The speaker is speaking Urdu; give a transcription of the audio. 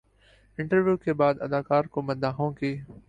انٹرویو کے بعد اداکار کو مداحوں کی